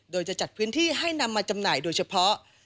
โดยจะจัดพื้นที่ให้นำมาจำหน่ายโดยเฉพาะ